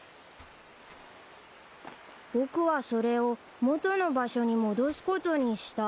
［僕はそれを元の場所に戻すことにした］